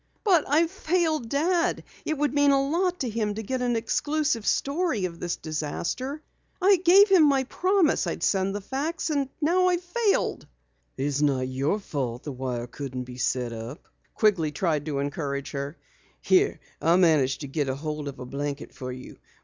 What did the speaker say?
"But I've failed Dad. It would mean a lot to him to get an exclusive story of this disaster. I gave him my promise I'd send the facts now I've failed." "It's not your fault the wire couldn't be set up," Quigley tried to encourage her. "Here, I managed to get ahold of a blanket for you.